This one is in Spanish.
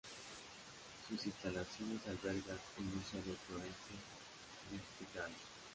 Sus instalaciones albergan el Museo de Florence Nightingale.